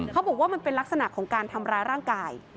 เขาบอกว่ามันเป็นลักษณะของการทำร้ายร่างกาย